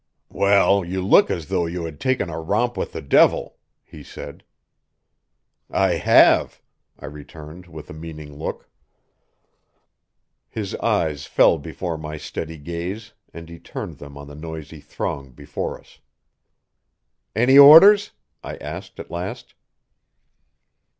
"Well, you look as though you had taken a romp with the devil," he said. "I have," I returned with a meaning look. His eyes fell before my steady gaze, and he turned them on the noisy throng before us. "Any orders?" I asked at last.